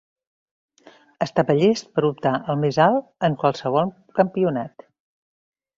Estava llest per optar al més alt en qualsevol campionat.